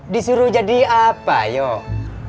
disuruh jadi apa yuk